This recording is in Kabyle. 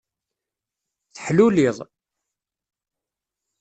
Teḥluliḍ.